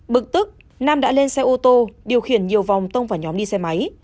bực tức nam đã lên xe ô tô điều khiển nhiều vòng tông vào nhóm đi xe máy